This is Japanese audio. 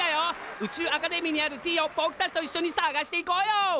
宇宙アカデミーにあるＴをぼくたちといっしょに探していこうよ！